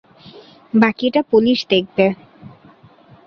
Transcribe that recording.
বাকিটা পুলিশ দেখবে।